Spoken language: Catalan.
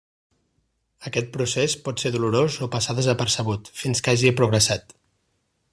Aquest procés pot ser dolorós o passar desapercebut fins que hagi progressat.